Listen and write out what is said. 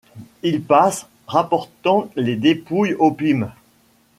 Ils. passent, rapportant les dépouilles opimes ;